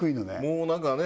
もう何かね